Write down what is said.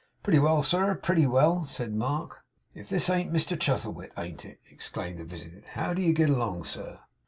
'Pretty well, sir; pretty well,' said Mark. 'If this ain't Mr Chuzzlewit, ain't it!' exclaimed the visitor 'How do YOU git along, sir?